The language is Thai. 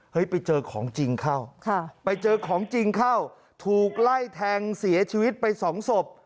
ไปเจอของจริงเข้าไปเจอของจริงเข้าถูกไล่แทงเสียชีวิตไปสองศพ